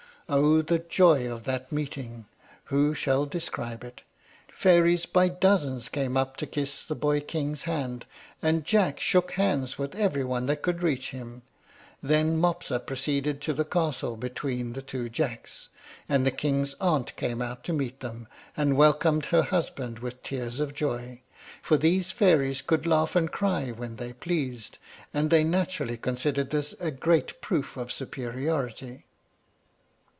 Oh, the joy of that meeting! who shall describe it? Fairies by dozens came up to kiss the boy king's hand, and Jack shook hands with every one that could reach him. Then Mopsa proceeded to the castle between the two Jacks, and the king's aunt came out to meet them, and welcomed her husband with tears of joy; for these fairies could laugh and cry when they pleased, and they naturally considered this a great proof of superiority.